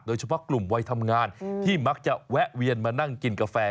โดยเฉพาะกลุ่มวัยทำงานที่มักจะแวะเวียนมานั่งกินกาแฟ